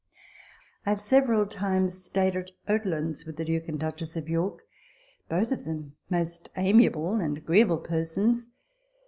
I have several times stayed at Oatlands with the Duke and Duchess of York both of them most amiable and agreeable persons.